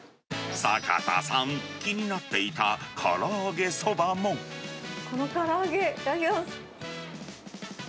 坂田さん、気になっていた、このから揚げ、いただきます。